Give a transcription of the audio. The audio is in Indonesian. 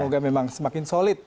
semoga memang semakin solid